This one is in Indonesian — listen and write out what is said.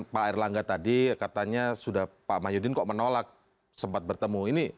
pak erlangga tadi katanya sudah pak mahyudin kok menolak sempat bertemu